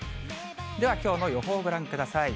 では、きょうの予報をご覧ください。